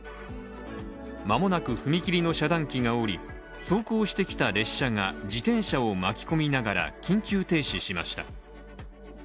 間もなく踏切の遮断機が下り、走行してきた列車が自転車を巻き込みながら緊急停止しました。